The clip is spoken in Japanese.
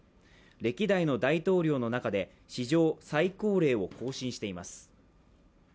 歴代の大統領の中で史上最高齢を更新しています。